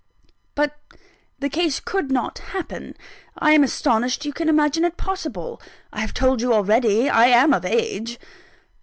"But the case could not happen I am astonished you can imagine it possible. I have told you already, I am of age."